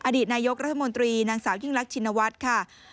อดีตนายกรัฐมนตรีนางสาวยิ่งรักชินวัฒน์ค่ะ